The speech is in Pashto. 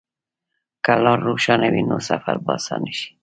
که لار روښانه وي، نو سفر به اسانه شي.